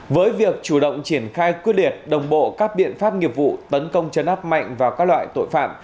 với việc chủ động triển khai quyết liệt đồng bộ các biện pháp nghiệp vụ tấn công chấn áp mạnh vào các loại tội phạm